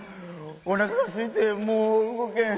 おなかがすいてもううごけん。